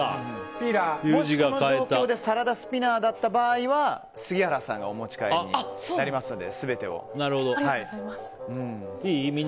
もしこの状況でサラダスピナーだった場合は杉原さんが全てをお持ち帰りになりますので。